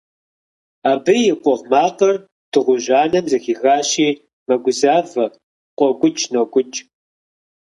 Абы и къугъ макъыр дыгъужь анэм зэхихащи, мэгузавэ, къокӀукӀ-нокӀукӀ.